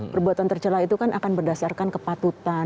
perbuatan tercela itu akan berdasarkan kepatutan